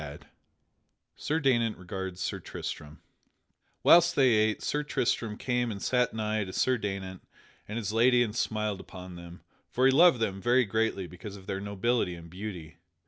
[Sidenote: Sir Daynant regards Sir Tristam] Whilst they ate, Sir Tristram came and sat nigh to Sir Daynant and his lady and smiled upon them, for he loved them very greatly because of their nobility and beauty.